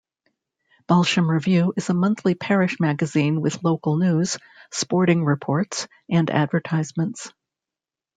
"Balsham Review" is a monthly parish magazine with local news, sporting reports, and advertisements.